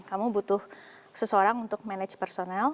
kamu butuh seseorang untuk manage personal